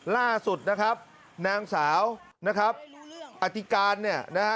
ล่าสุดนะครับนางสาวนะครับอธิการเนี่ยนะฮะ